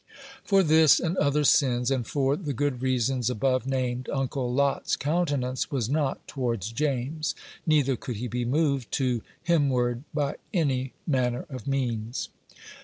For this, and other sins, and for the good reasons above named, Uncle Lot's countenance was not towards James, neither could he be moved to him ward by any manner of means.